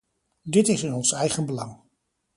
Dit is in ons eigen belang.